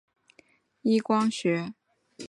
中一光学。